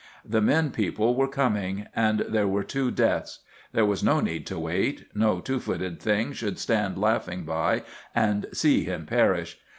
The men people were coming, and there were two deaths. There was no need to wait. No two footed thing should stand laughing by and see him perish.